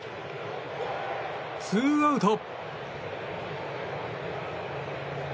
ツーアウト。